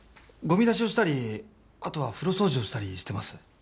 ごみ出しをしたりあとは風呂掃除をしたりしてます。